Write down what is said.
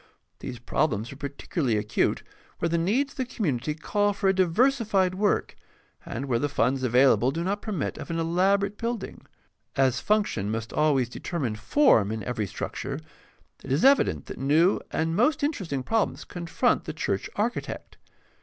These problems are particularly acute where the needs of the community call for a diversified work, and where the funds available do not per mit of an elaborate building. As function must always determine form in every structure, it is evident that new and most interesting problems confront the church architect.